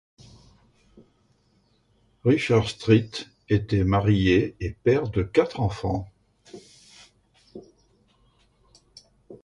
Richard Street était marié et père de quatre enfants.